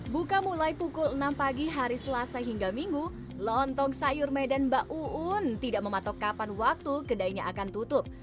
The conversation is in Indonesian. buka mulai pukul enam pagi hari selasa hingga minggu lontong sayur medan mbak uun tidak mematok kapan waktu kedainya akan tutup